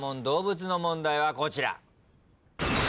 動物の問題はこちら。